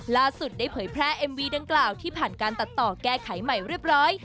ล่าสุดได้เผยแพร่เอ็มวีดังกล่าวที่ผ่านการตัดต่อแก้ไขใหม่เรียบร้อย